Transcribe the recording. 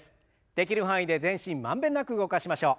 できる範囲で全身満遍なく動かしましょう。